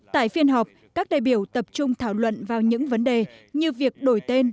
tại phiên họp các đại biểu tập trung thảo luận vào những vấn đề như việc đổi tên